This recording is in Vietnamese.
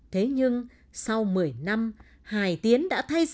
thế nhưng sau một mươi năm hải tiến đã thay ra